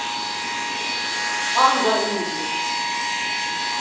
p̌anda incirs.